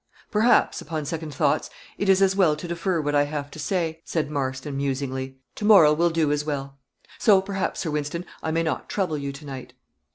"Perhaps, upon second thoughts, it is as well to defer what I have to say," said Marston, musingly. "Tomorrow will do as well; so, perhaps, Sir Wynston, I may not trouble you tonight."